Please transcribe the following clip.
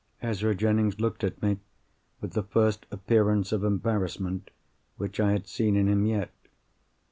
Ezra Jennings looked at me with the first appearance of embarrassment which I had seen in him yet.